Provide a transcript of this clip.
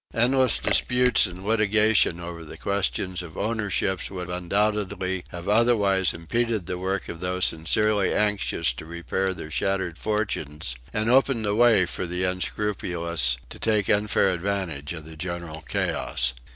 Endless disputes and litigation over the questions of ownerships would undoubtedly have otherwise impeded the work of those sincerely anxious to repair their shattered fortunes and opened the way for the unscrupulous to take unfair advantage of the general chaos.